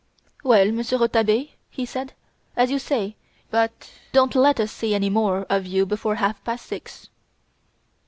"Well, Monsieur Rouletabille," he said, "as you say; but don't let us see any more of you before half past six."